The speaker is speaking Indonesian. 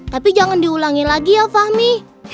tapi jangan diulangi lagi ya fahmi